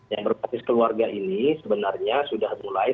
yang berbasis keluarga ini sebenarnya sudah mulai